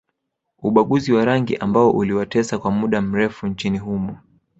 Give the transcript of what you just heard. Ubaguzi wa rangi ambao uliwatesa kwa mda mrefu nchini humo